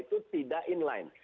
itu tidak in line